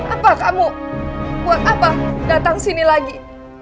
apa kamu buat apa datang sini lagi